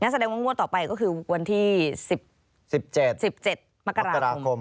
แสดงว่างวดต่อไปก็คือวันที่๑๗๑๗มกราคม